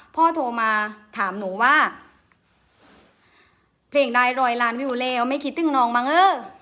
โทรมาถามหนูว่าเพลงได้ร้อยล้านวิวแล้วไม่คิดถึงน้องมั้งเออ